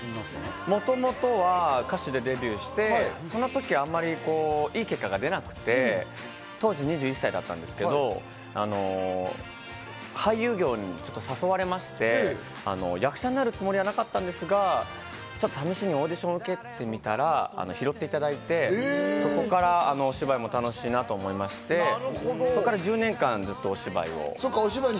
もともとは歌手でデビューして、その時あんまり良い結果が出なくて、当時２１歳だったんですけど、俳優業に誘われまして、役者になるつもりはなかったんですが、試しにオーディションを受けてみたら拾っていただいて、そこからお芝居も楽しいなと思いまして、そこから１０年間ずっとお芝居を。